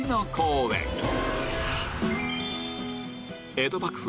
江戸幕府